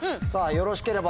よろしければ。